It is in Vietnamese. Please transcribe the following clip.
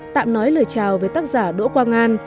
tạm nói lời chào với tác giả đỗ quang an